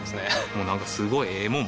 もうなんかすごいええもん